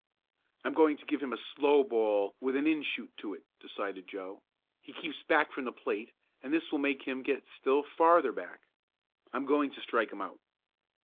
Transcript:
"I'm going to give him a slow ball with an in shoot to it," decided Joe. "He keeps back from the plate and this will make him get still farther back. I'm going to strike him out."